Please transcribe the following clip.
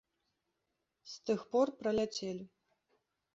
З тых пор праляцелі.